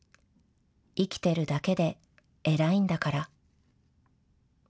生きてるだけで偉いんだから。